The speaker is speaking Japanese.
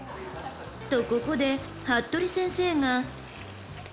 ［とここで服部先生が］